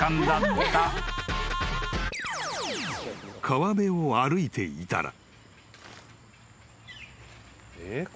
［川辺を歩いていたら］